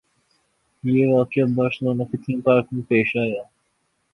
یہ واقعہ بارسلونا کے تھیم پارک میں پیش آیا